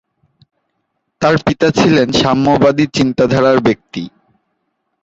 তার পিতা ছিলেন সাম্যবাদী চিন্তাধারার ব্যক্তি।